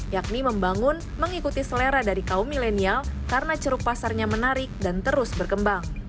yakni membangun mengikuti selera dari kaum milenial karena ceruk pasarnya menarik dan terus berkembang